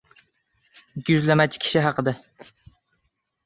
ikkiyuzlamachi kishi haqida.